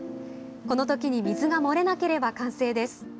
このときに水が漏れなければ完成です。